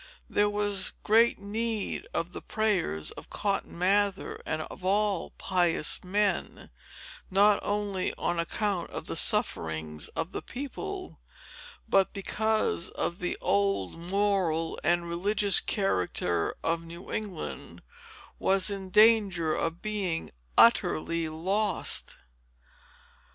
There was great need of the prayers of Cotton Mather, and of all pious men, not only on account of the sufferings of the people, but because the old moral and religious character of New England was in danger of being utterly lost."